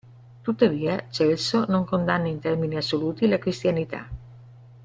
Tuttavia, Celso non condanna in termini assoluti la cristianità.